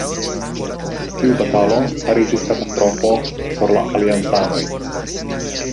Tiu batalo fariĝis katastrofo por la aliancanoj.